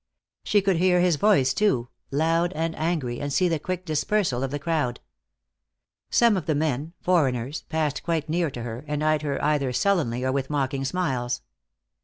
She could hear his voice, too, loud and angry, and see the quick dispersal of the crowd. Some of the men, foreigners, passed quite near to her, and eyed her either sullenly or with mocking smiles.